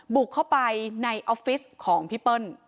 บุกเข้าไปในออฟฟิศของพี่เปิ้ล